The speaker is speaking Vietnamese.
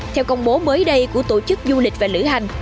theo công bố mới đây của tổ chức du lịch và lữ hành